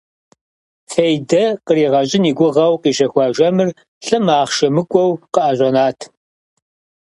Фейдэ къригъэщӀын и гугъэу къищэхуа жэмыр лӀым ахъшэ мыкӀуэу къыӀэщӀэнат.